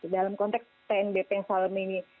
dalam konteks tnbp yang selalu